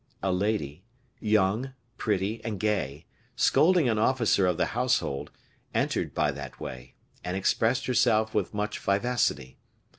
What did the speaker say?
A lady, young, pretty, and gay, scolding an officer of the household, entered by that way, and expressed herself with much vivacity.